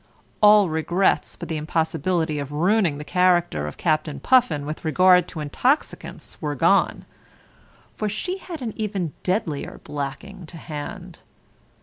All regrets for the impossibility of ruining the character of Captain Puffin with regard to intoxicants were gone, for she had an even deadlier blacking to hand.